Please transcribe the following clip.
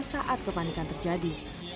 saat kepanikan terjadi